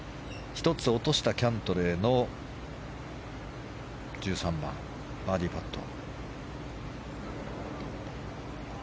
１つ落としたキャントレーの１３番、バーディーパット。